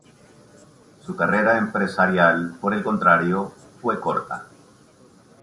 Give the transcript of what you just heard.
Su carrera empresarial, por el contrario, fue corta.